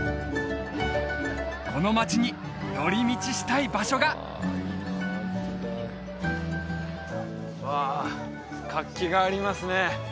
この町に寄り道したい場所がうわ活気がありますね